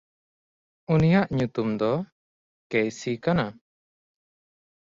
ᱩᱱᱤᱭᱟᱜ ᱧᱩᱛᱩᱢ ᱫᱚ ᱠᱮᱭᱥᱤ ᱠᱟᱱᱟ᱾